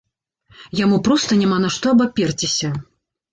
Яму проста няма на што абаперціся.